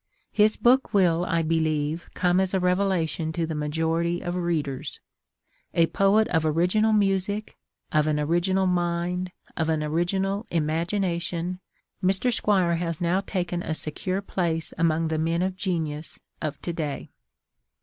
His book will, I believe, come as a revelation to the majority of readers. A poet of original music, of an original mind, of an original imagination, Mr. Squire has now taken a secure place among the men of genius of to day.